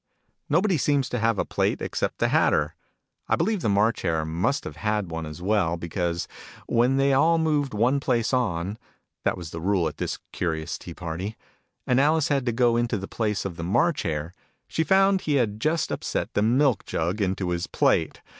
Nobody seems to have a plate except the Hatter. I believe the March Hare must have had one as well : because, when they all moved one place on ( that wns the rule at this curious tea party ), and Alice had to go into the place of the March Hare, she found he had just up set the milk jug into his plate.